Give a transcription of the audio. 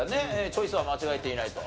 チョイスは間違えていないと。